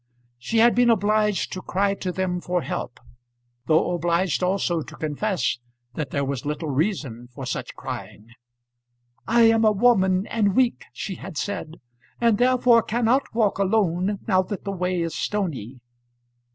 She had been obliged to cry to them for help, though obliged also to confess that there was little reason for such crying. "I am a woman, and weak," she had said, "and therefore cannot walk alone, now that the way is stony."